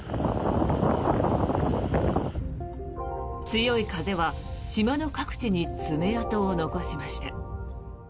強い風は島の各地に爪痕を残しました。